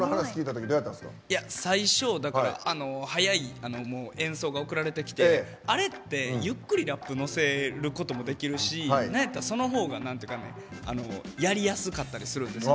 最初、速い演奏が送られてきて、あれってゆっくりラップ乗せることもできるしなんやったら、そのほうがやりやすかったりするんです。